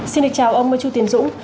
xin được chào ông chu tiến dũng